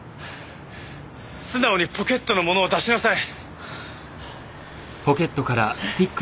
素直にポケットのものを出しなさい。